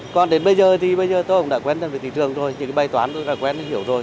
còn đến bây giờ thì tôi cũng đã quen với thị trường rồi những bài toán tôi đã quen hiểu rồi